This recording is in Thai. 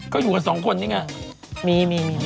ก็อยู่กันสองคนนี่ไง